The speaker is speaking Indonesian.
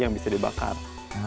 yang bisa dibakar